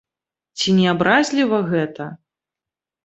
Ці не абразліва гэта?